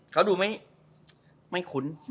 เขาดูไม่คุ้น